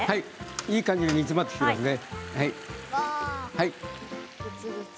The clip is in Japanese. いい感じに煮詰まっていますね。